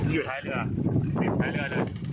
อยู่ท้ายเรือ